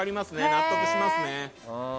納得しますね。